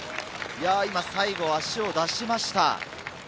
最後、足を出しました。